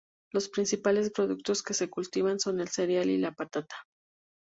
Los principales productos que se cultivan son el cereal y la patata.